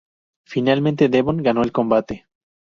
Finalmente, Devon ganó el combate.